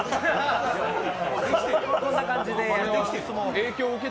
こんな感じで。